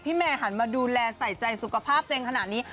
พี่แมนหันมาดูแลใส่ใจสุขภาพเจนขนาดนี้